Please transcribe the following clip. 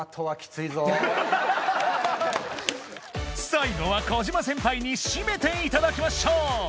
最後は児嶋先輩に締めていただきましょう！